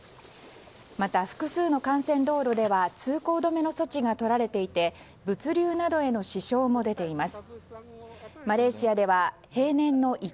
また、複数の幹線道路では通行止めの措置がとられていて物流などへの支障も出ています。